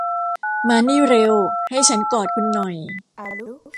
มานี่เร็ว ให้ฉันกอดคุณหน่อย